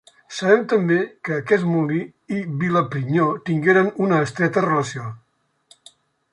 Sabem també que aquest molí i Vilaprinyó tingueren una estreta relació.